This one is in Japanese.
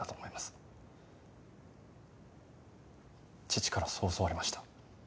父からそう教わりました。